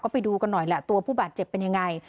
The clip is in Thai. ไปดูกันหน่อยแหละตัวผู้บาดเจ็บเป็นยังไง